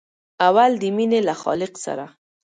اول د مینې له خالق سره.